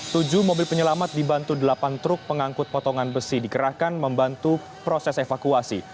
tujuh mobil penyelamat dibantu delapan truk pengangkut potongan besi dikerahkan membantu proses evakuasi